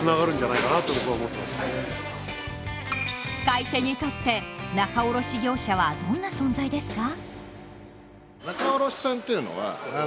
買い手にとって仲卸業者はどんな存在ですか？